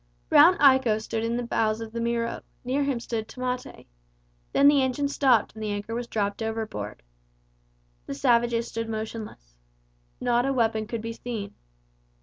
Brown Iko stood in the bows of the Miro; near him stood Tamate. Then the engine stopped and the anchor was dropped overboard. The savages stood motionless. Not a weapon could be seen.